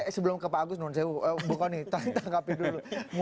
eh sebelum ke pak agus bu kony tangkapin dulu